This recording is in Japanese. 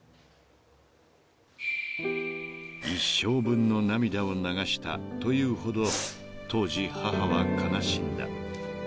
［一生分の涙を流したというほど当時母は悲しんだ］